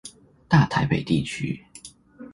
大台北地區